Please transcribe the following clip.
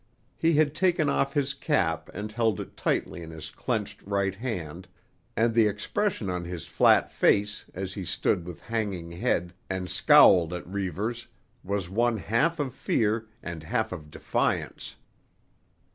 He had taken off his cap and held it tightly in his clenched right hand, and the expression on his flat face as he stood with hanging head and scowled at Reivers was one half of fear and half of defiance.